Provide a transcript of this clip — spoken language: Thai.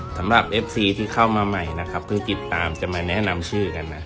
สำหรับเอฟซีที่เข้ามาใหม่นะครับเพิ่งติดตามจะมาแนะนำชื่อกันนะ